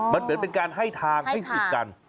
มันเหมือนเป็นการให้ทางให้สิทธิ์กัน